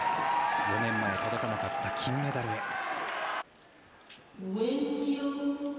４年前届かなかった金メダルへ。